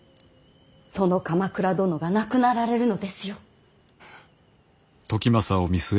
その鎌倉殿が亡くなられるのですよ。